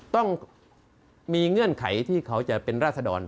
ต้องมีเงื่อนไขที่เขาจะเป็นราศดร